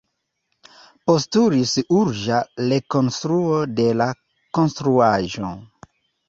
Postulis urĝa rekonstruo de la konstruaĵo.